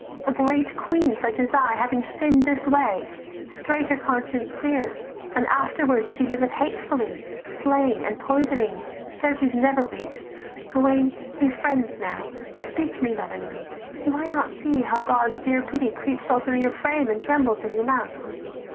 A great queen such as I Having sinn'd this way, straight her conscience sears; "And afterwards she liveth hatefully, Slaying and poisoning, certes never weeps: Gauwaine be friends now, speak me lovingly, "Do I not see how God's dear pity creeps All through your frame, and trembles in your mouth?